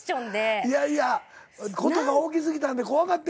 いやいや事が大き過ぎたんで怖かったんやろ。